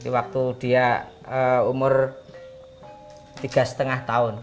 waktu dia umur tiga lima tahun